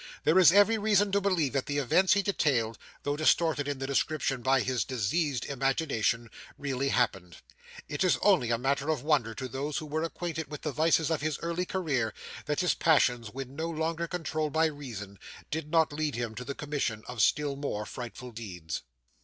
There is every reason to believe that the events he detailed, though distorted in the description by his diseased imagination, really happened. It is only matter of wonder to those who were acquainted with the vices of his early career, that his passions, when no longer controlled by reason, did not lead him to the commission of still more frightful deeds.